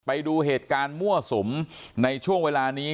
ไปดูเหตุการณ์มั่วสุมในช่วงเวลานี้